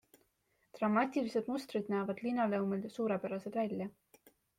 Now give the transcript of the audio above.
Dramaatilised mustrid näevad linoleumil suurepärased välja.